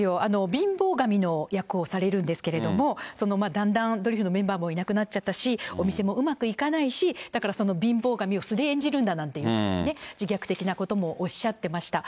貧乏神の役をされるんですけれども、その、だんだんドリフのメンバーもいなくなっちゃったし、お店もうまくいかないし、だから貧乏神を素で演じるんだなんてね、自虐的なこともおっしゃってました。